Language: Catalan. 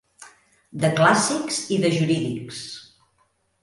De clàssics i de jurídics.